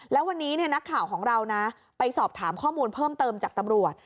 แล้ววันนี้นักข่าวของเรานะไปสอบถามข้อมูลเพิ่มเติมจากตำรวจ